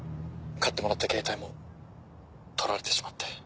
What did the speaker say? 買ってもらったケータイも取られてしまって。